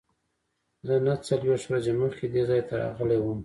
زه نهه څلوېښت ورځې مخکې دې ځای ته راغلی وم.